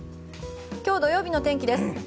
今日土曜日の天気です。